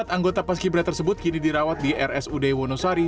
empat anggota paskibra tersebut kini dirawat di rsud wonosari